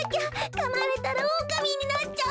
かまれたらおおかみになっちゃう。